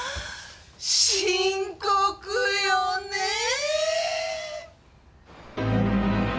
深刻よねぇ。